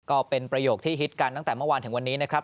ก็เป็นประโยคที่ฮิตกันตั้งแต่เมื่อวานถึงวันนี้นะครับ